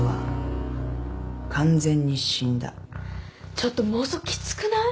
ちょっと妄想きつくない？